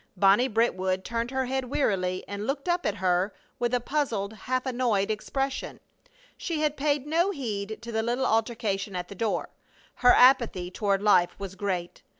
Bonnie Brentwood turned her head wearily and looked up at her with a puzzled, half annoyed expression. She had paid no heed to the little altercation at the door. Her apathy toward life was great.